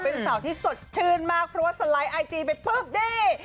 เป็นสาวที่สดชื่นมากเพราะว่าสไลด์ไอจีไปปุ๊บนี่